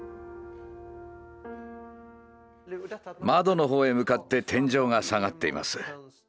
窓の方へ向かって天井が下がっています。